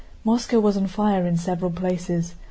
Moscow was on fire in several places.